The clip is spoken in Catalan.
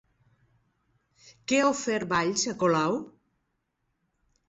Què ha ofert Valls a Colau?